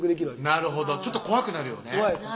なるほどちょっと怖くなるよね怖いです